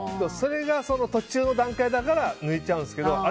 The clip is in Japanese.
それが、途中の段階だから抜いちゃうんですけど